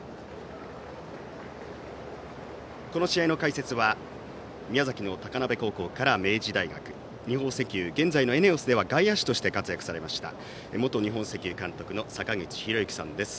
この試合の解説は宮崎の高鍋高校から明治大学、日本石油現在のＥＮＥＯＳでは外野手として活躍されました元日本石油監督の坂口裕之さんです。